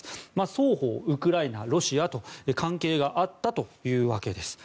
双方、ウクライナやロシアと関係があったというわけです。